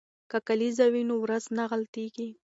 که کلیزه وي نو ورځ نه غلطیږي.